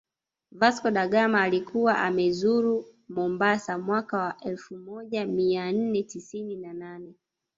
Vasco da Gama alikuwa amezuru Mombasa mwaka wa elfumoja mianne tisini na nane